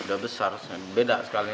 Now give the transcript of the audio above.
sudah besar beda sekali